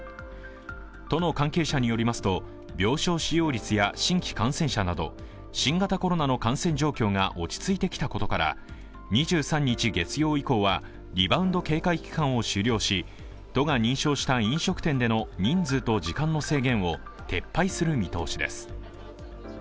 都の関係者によりますと病床使用率や新規感染者など新型コロナの感染状況が落ち着いてきたことから２３日月曜以降はリバウンド警戒期間を終了し都が認証した飲食店での人数と時間の制限を撤廃する見通しです。